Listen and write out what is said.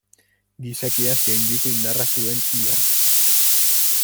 Gizakiaz gaindiko indarra zuen ia.